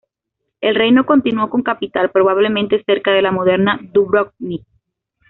El reino continuó con capital probablemente cerca de la moderna Dubrovnik.